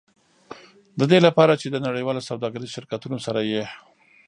د دې لپاره چې د نړیوالو سوداګریزو شرکتونو سره یې.